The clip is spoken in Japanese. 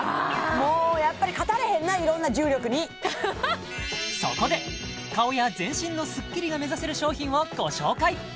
もうやっぱり勝たれへんないろんな重力にそこで顔や全身のスッキリが目指せる商品をご紹介